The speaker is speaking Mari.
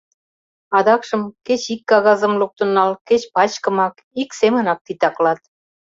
Адакшым кеч ик кагазым луктын нал, кеч пачкымак — ик семынак титаклат.